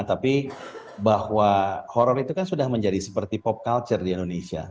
tapi bahwa horror itu kan sudah menjadi seperti pop culture di indonesia